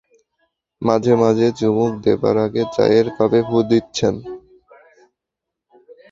মাঝে-মাঝে চুমুক দেবার আগে চায়ের কাপে ফুঁ দিচ্ছেন।